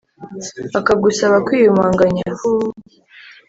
akagusaba kwiyumanganya huuuu